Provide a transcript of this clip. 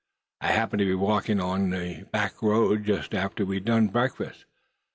I happened to be walking out along the back road just after we'd done breakfast.